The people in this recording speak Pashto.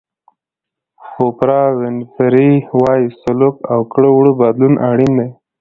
اوپرا وینفري وایي سلوک او کړو وړو بدلون اړین دی.